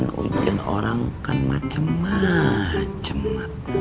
meja orang kan macem macem